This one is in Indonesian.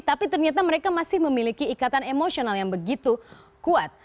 tapi ternyata mereka masih memiliki ikatan emosional yang begitu kuat